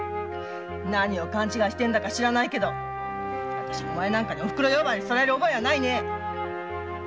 何を勘違いしているのか知らないけどお前なんかにおふくろ呼ばわりされる覚えなんかないね。